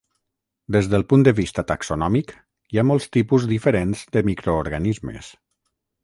Des del punt de vista taxonòmic, hi ha molts tipus diferents de microorganismes.